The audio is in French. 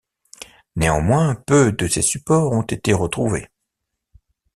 Néanmoins, peu de ces supports ont été retrouvés.